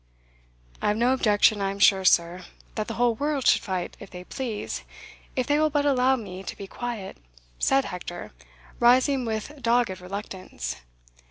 "I have no objection, I am sure, sir, that the whole world should fight if they please, if they will but allow me to be quiet," said Hector, rising with dogged reluctance.